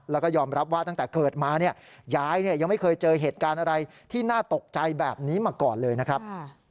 แล้วก็ยอมรับว่าตั้งแต่เกิดมาเนี่ยยายยังไม่เคยเจอเหตุการณ์อะไรที่น่าตกใจแบบนี้มาก่อนเลยนะครับ